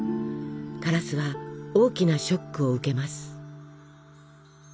カラスは大きなショックを受けます。